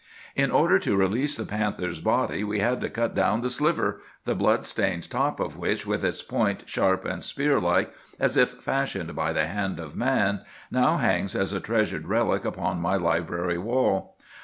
"In order to release the panther's body we had to cut down the sliver, the blood stained top of which, with its point sharp and spear like, as if fashioned by the hand of man, now hangs as a treasured relic upon my library wall.